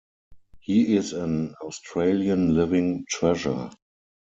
He is an Australian Living Treasure.